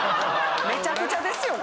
めちゃくちゃですよ